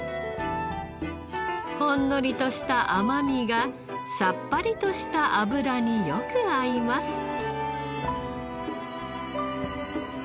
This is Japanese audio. ほんのりとした甘みがさっぱりとした脂によく合います。